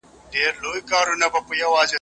دغه هلک تل رښتیا وایی.